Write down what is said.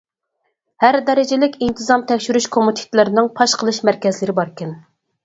ھەر دەرىجىلىك ئىنتىزام تەكشۈرۈش كومىتېتلىرىنىڭ پاش قىلىش مەركەزلىرى باركەن.